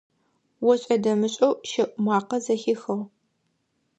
ОшӀэ-дэмышӀэу щэӀу макъэ зэхихыгъ.